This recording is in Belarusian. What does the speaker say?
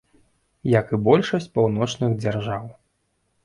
Як і большасць паўночных дзяржаў.